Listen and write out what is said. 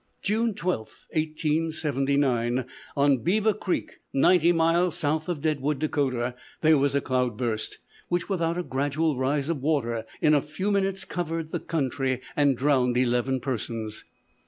"June 12, 1879, on Beaver Creek, ninety miles south of Deadwood, Dakota, there was a cloud burst, which, without a gradual rise of water, in a few minutes covered the country and drowned eleven persons."